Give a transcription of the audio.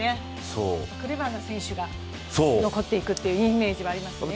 クレバーな選手が残っていくイメージがありますね。